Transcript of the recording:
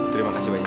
terima kasih banyak